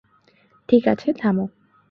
ঠিক আছে, থামো।